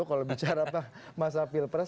kalau bicara mas apilpres